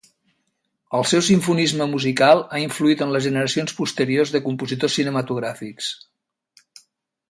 El seu simfonisme musical ha influït en les generacions posteriors de compositors cinematogràfics.